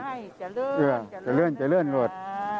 ตอนนั้นค่ะเขาได้ชินทรัพย์อะไรกันครับ